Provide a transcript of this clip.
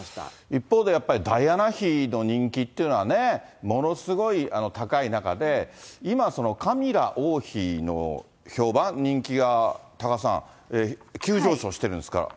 一方でやっぱりダイアナ妃の人気っていうのはね、ものすごい高い中で、今、カミラ王妃の評判、人気が多賀さん、急上昇してるんですか？